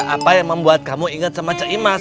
apa yang membuat kamu ingat sama cek imas